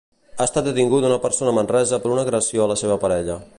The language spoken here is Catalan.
Ha estat detinguda una persona a Manresa per una agressió a la seva parella.